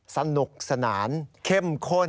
สนุกสนานเข้มข้น